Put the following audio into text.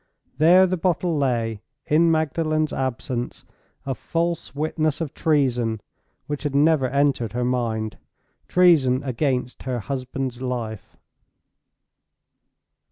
There the bottle lay, in Magdalen's absence, a false witness of treason which had never entered her mind—treason against her husband's life!